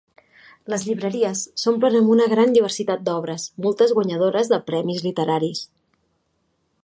Les llibreries s'omplen amb una gran diversitat d'obres, moltes guanyadores de premis literaris.